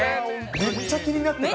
めっちゃ気になってた。